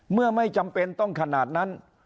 เมื่อไม่จำเป็นต้องขนาดนั้น